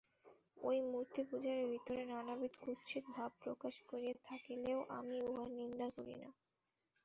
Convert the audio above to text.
এই মূর্তিপূজার ভিতরে নানাবিধ কুৎসিত ভাব প্রবেশ করিয়া থাকিলেও আমি উহার নিন্দা করি না।